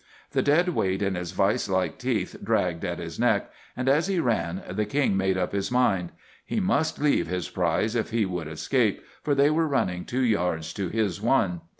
The dead weight in his vise like teeth dragged at his neck, and as he ran the King made up his mind. He must leave his prize if he would escape, for they were running two yards to his one.